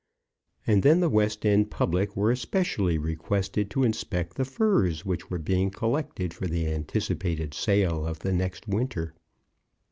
And then the West End public were especially requested to inspect the furs which were being collected for the anticipated sale of the next winter.